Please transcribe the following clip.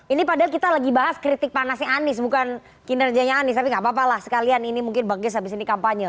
ini padahal kita lagi bahas kritik panasnya anies bukan kinerjanya anies tapi gak apa apa lah sekalian ini mungkin bagus abis ini kampanye